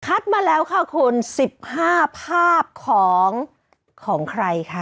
มาแล้วค่ะคุณ๑๕ภาพของของใครคะ